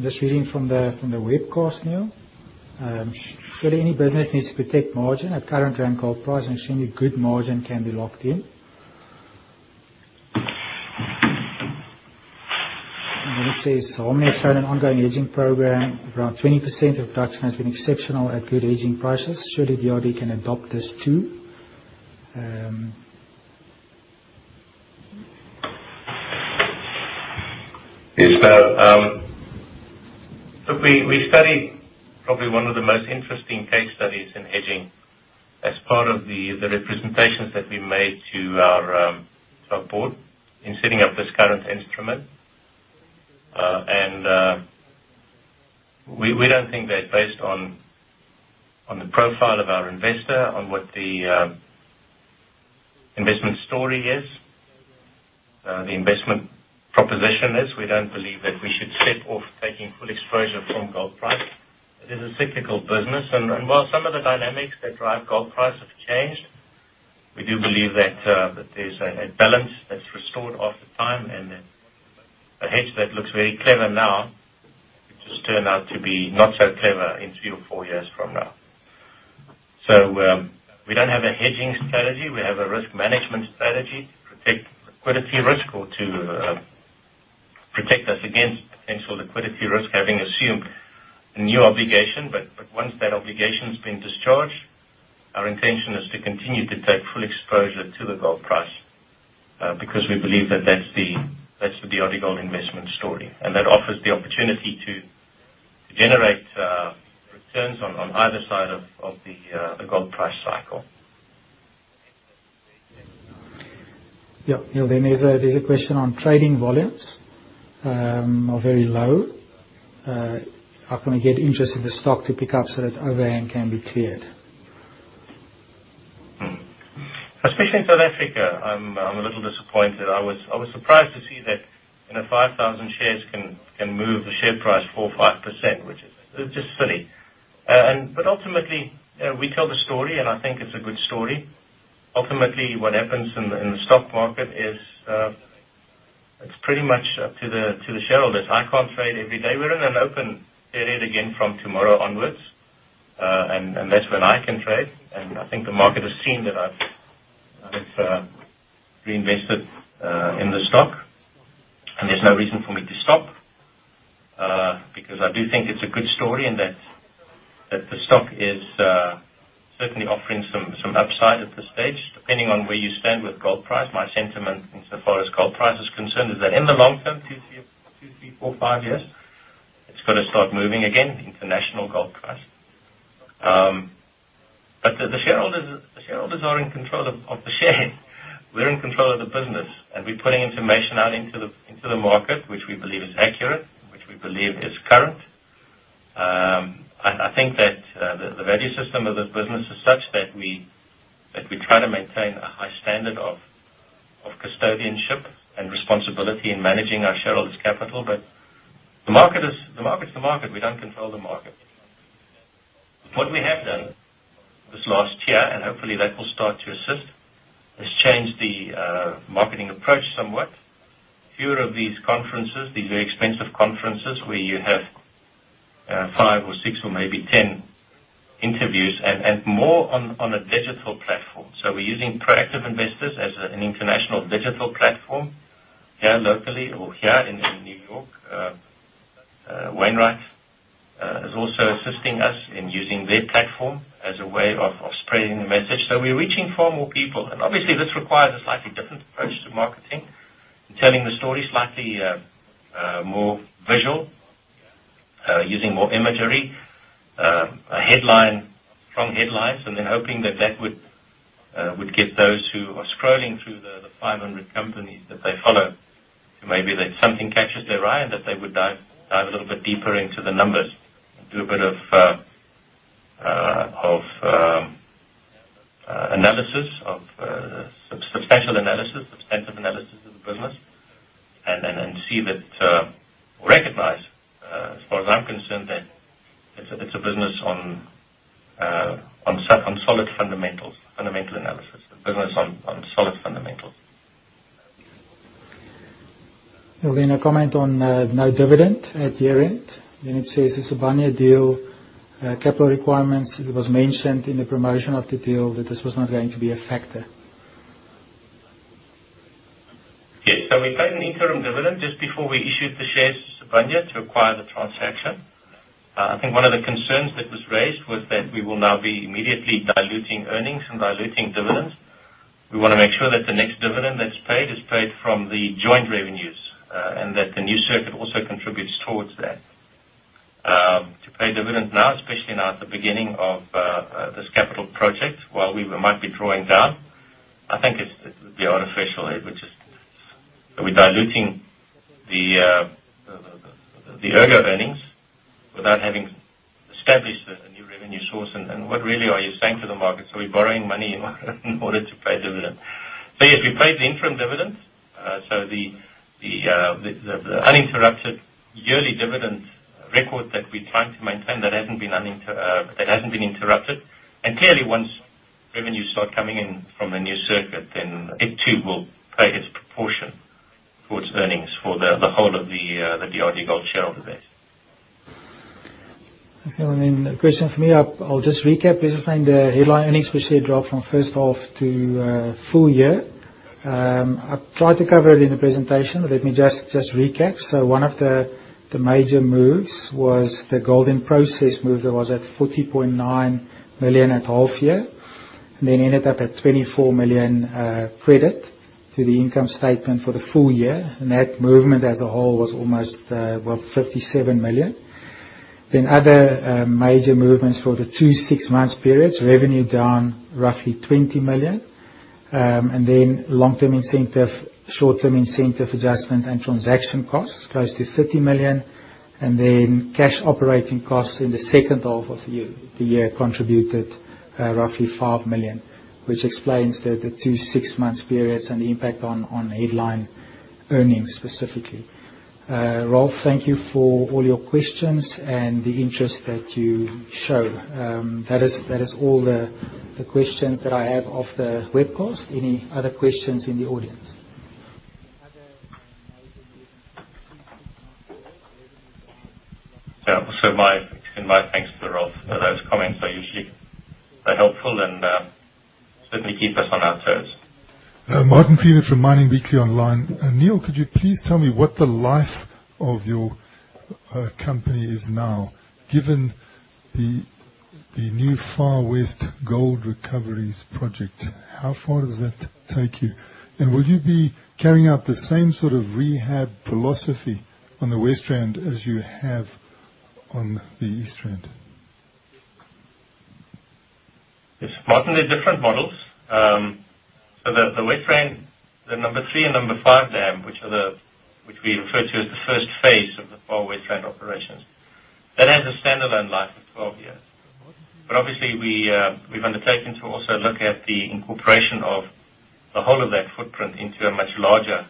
I'm just reading from the webcast now. Surely any business needs to protect margin at current gram gold price and ensure a good margin can be locked in. It says, "Harmony have shown an ongoing hedging program. Around 20% of production has been exceptional at good hedging prices. Surely DRD can adopt this too. Yes. We studied probably one of the most interesting case studies in hedging as part of the representations that we made to our board in setting up this current instrument. We don't think that based on the profile of our investor, on what the investment story is, the investment proposition is, we don't believe that we should step off taking full exposure from gold price. It is a cyclical business. While some of the dynamics that drive gold price have changed, we do believe that there's a balance that's restored half the time and that a hedge that looks very clever now could just turn out to be not so clever in three or four years from now. We don't have a hedging strategy. We have a risk management strategy to protect liquidity risk or to protect us against potential liquidity risk having assumed a new obligation. Once that obligation's been discharged, our intention is to continue to take full exposure to the gold price, because we believe that that's the DRDGOLD investment story. That offers the opportunity to generate returns on either side of the gold price cycle. Yeah. Niël, there's a question on trading volumes are very low. How can we get interest in the stock to pick up so that overhang can be cleared? Especially in South Africa, I'm a little disappointed. I was surprised to see that 5,000 shares can move the share price 4%-5%, which is just silly. Ultimately, we tell the story, and I think it's a good story. Ultimately, what happens in the stock market is it's pretty much up to the shareholders. I can't trade every day. We're in an open period again from tomorrow onwards, and that's when I can trade. I think the market has seen that I've reinvested in the stock, and there's no reason for me to stop. I do think it's a good story and that the stock is certainly offering some upside at this stage, depending on where you stand with gold price. My sentiment insofar as gold price is concerned is that in the long term, two, three, four, five years, it's gotta start moving again, the international gold price. The shareholders are in control of the shares. We're in control of the business, and we're putting information out into the market, which we believe is accurate, which we believe is current. I think that the value system of this business is such that we try to maintain a high standard of custodianship and responsibility in managing our shareholders' capital. The market's the market. We don't control the market. What we have done this last year, hopefully that will start to assist It's changed the marketing approach somewhat. Fewer of these conferences, these very expensive conferences where you have five or six or maybe 10 interviews and more on a digital platform. We're using Proactive Investors as an international digital platform here locally or here in N.Y. Wainwright is also assisting us in using their platform as a way of spreading the message. We're reaching far more people, and obviously this requires a slightly different approach to marketing and telling the story slightly more visual, using more imagery, strong headlines, and then hoping that would get those who are scrolling through the 500 companies that they follow. Maybe something catches their eye and that they would dive a little bit deeper into the numbers and do a bit of substantive analysis of the business, and recognize, as far as I'm concerned, that it's a business on solid fundamentals, fundamental analysis. A business on solid fundamentals. There'll be no comment on no dividend at year-end. It says, the Sibanye-Stillwater deal capital requirements, it was mentioned in the promotion of the deal that this was not going to be a factor. Yes. We paid an interim dividend just before we issued the shares to Sibanye-Stillwater to acquire the transaction. I think one of the concerns that was raised was that we will now be immediately diluting earnings and diluting dividends. We want to make sure that the next dividend that's paid is paid from the joint revenues, and that the new circuit also contributes towards that. To pay dividends now, especially now at the beginning of this capital project, while we might be drawing down, I think it would be artificial. We're diluting the ERGO earnings without having established a new revenue source. What really are you saying to the market? We're borrowing money in order to pay dividends. Yes, we paid the interim dividends. The uninterrupted yearly dividend record that we're trying to maintain, that hasn't been interrupted. Clearly once revenues start coming in from the new circuit, it too will pay its proportion towards earnings for the whole of the DRDGOLD share of it. Okay. The question for me, I'll just recap. Basically, the headline earnings per share dropped from first half to full year. I've tried to cover it in the presentation. Let me just recap. One of the major moves was the gold in process move that was at 40.9 million at half year, ended up at 24 million credit to the income statement for the full year. That movement as a whole was almost 57 million. Other major movements for the 2 six-month periods, revenue down roughly 20 million. Long-term incentive, short-term incentive adjustment and transaction costs close to 30 million. Cash operating costs in the second half of the year contributed roughly 5 million, which explains the 2 six-month periods and the impact on headline earnings specifically. Rolf, thank you for all your questions and the interest that you show. That is all the questions that I have off the webcast. Any other questions in the audience? My thanks to Rolf for those comments are usually helpful and certainly keep us on our toes. Martin Creamer from "Mining Weekly." Niël, could you please tell me what the life of your company is now, given the new Far West Gold Recoveries project? How far does that take you? Will you be carrying out the same sort of rehab philosophy on the West Rand as you have on the East Rand? Yes. Martin, they're different models. The West Rand, the number 3 and number 5 dam, which we refer to as the first phase of the Far West Rand operations, that has a standalone life of 12 years. Obviously we've undertaken to also look at the incorporation of the whole of that footprint into a much larger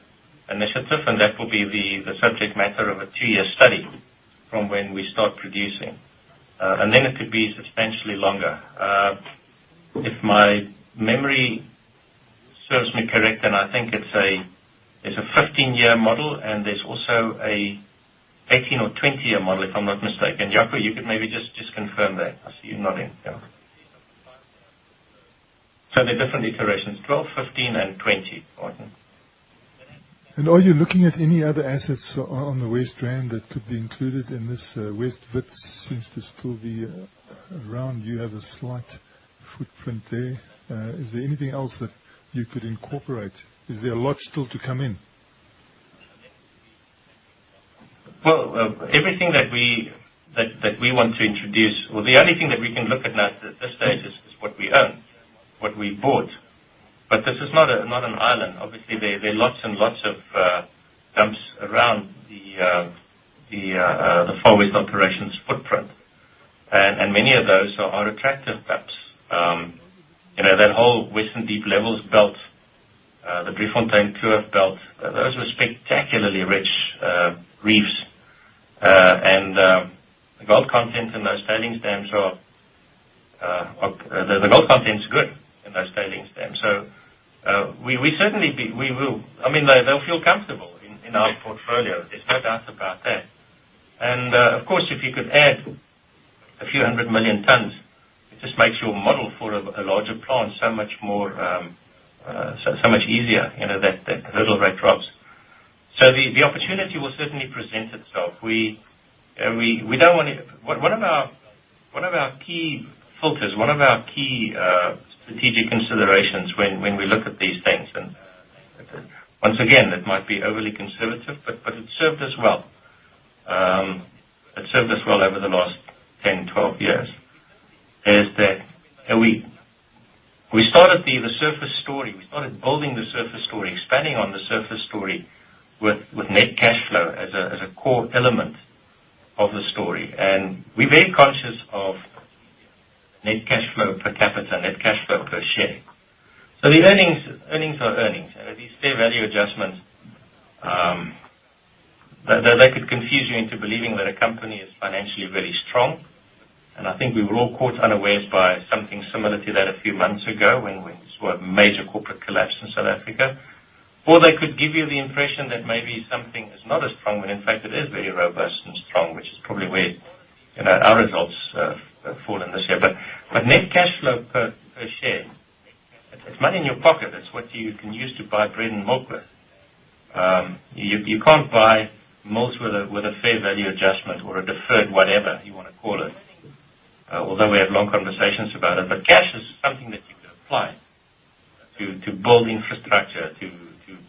initiative, and that will be the subject matter of a 2-year study from when we start producing. Then it could be substantially longer. If my memory serves me correct, I think it's a 15-year model, and there's also an 18 or 20-year model, if I'm not mistaken. Jaco, you could maybe just confirm that. I see you nodding. They're different iterations. 12, 15, and 20, Martin. Are you looking at any other assets on the West Rand that could be included in this? West Wits seems to still be around. You have a slight footprint there. Is there anything else that you could incorporate? Is there a lot still to come in? Well, everything that we want to introduce or the only thing that we can look at now at this stage is what we own, what we bought. This is not an island. Obviously, there are lots and lots of dumps around the Far West operations footprint. Many of those are attractive dumps. That whole Western Deep Levels belt, the Driefontein Turffontein belt, those were spectacularly rich reefs. The gold content is good in those tailings dams. We certainly will. They'll feel comfortable in our portfolio, there's no doubt about that. Of course, if you could add a few hundred million tons, it just makes your model for a larger plant so much easier. That hurdle rate drops. The opportunity will certainly present itself. One of our key filters, one of our key strategic considerations when we look at these things, and once again, it might be overly conservative, but it served us well. It served us well over the last 10, 12 years, is that we started the surface story, we started building the surface story, expanding on the surface story with net cash flow as a core element of the story. We're very conscious of net cash flow per capita, net cash flow per share. These earnings are earnings. These fair value adjustments, they could confuse you into believing that a company is financially very strong. I think we were all caught unawares by something similar to that a few months ago when we saw a major corporate collapse in South Africa. They could give you the impression that maybe something is not as strong when in fact it is very robust and strong, which is probably where our results fall in this year. Net cash flow per share, it's money in your pocket. It's what you can use to buy bread and milk with. You can't buy much with a fair value adjustment or a deferred whatever you want to call it, although we have long conversations about it. Cash is something that you can apply to build infrastructure, to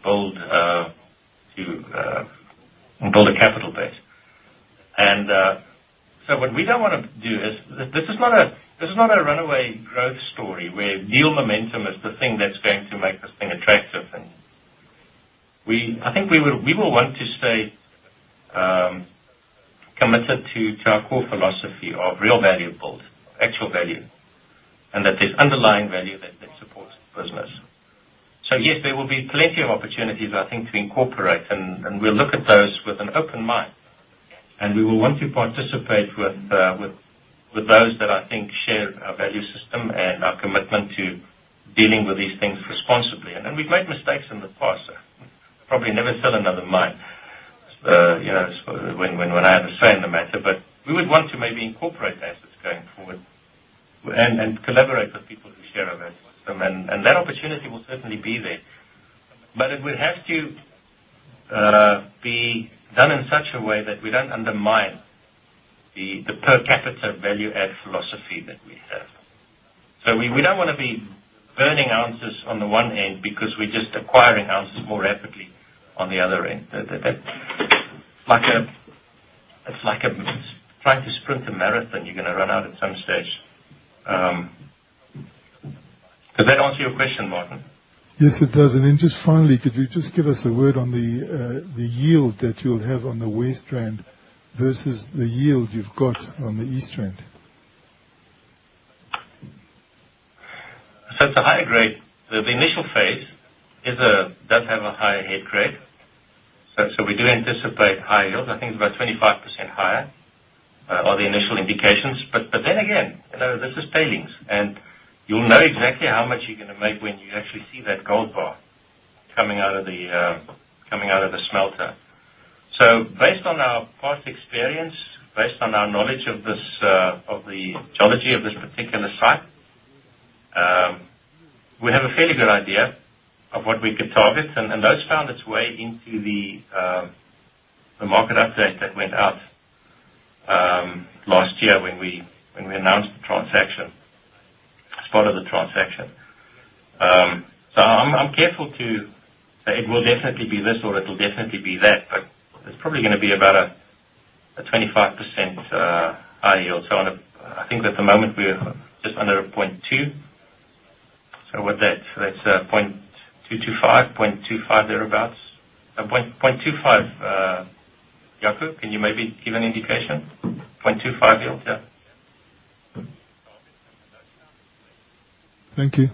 build a capital base. What we don't want to do. This is not a runaway growth story where deal momentum is the thing that's going to make this thing attractive. I think we will want to stay committed to our core philosophy of real value built, actual value, and that there's underlying value that supports the business. Yes, there will be plenty of opportunities, I think, to incorporate, and we'll look at those with an open mind. We will want to participate with those that I think share our value system and our commitment to dealing with these things responsibly. We've made mistakes in the past. Probably never sell another mine when I have a say in the matter. We would want to maybe incorporate assets going forward and collaborate with people who share our values. That opportunity will certainly be there. It will have to be done in such a way that we don't undermine the per capita value add philosophy that we have. We don't want to be burning ounces on the one end because we're just acquiring ounces more rapidly on the other end. It's like trying to sprint a marathon. You're going to run out at some stage. Does that answer your question, Martin? Yes, it does. Just finally, could you just give us a word on the yield that you'll have on the West Rand versus the yield you've got on the East Rand? It's a higher grade. The initial phase does have a higher head grade. We do anticipate high yields. I think it's about 25% higher are the initial indications. Again, this is tailings, and you'll know exactly how much you're going to make when you actually see that gold bar coming out of the smelter. Based on our past experience, based on our knowledge of the geology of this particular site, we have a fairly good idea of what we could target. Those found its way into the market update that went out last year when we announced the transaction, as part of the transaction. I'm careful to say it will definitely be this or it'll definitely be that, but it's probably going to be about a 25% high yield. I think at the moment we're just under a 0.2. What's that? That's a .225, .25 thereabouts. A .25. Jaco, can you maybe give an indication? .25 yield, yeah. Thank you.